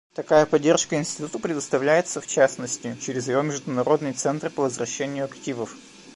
Такая поддержка Институту предоставляется, в частности, через его Международный центр по возвращению активов.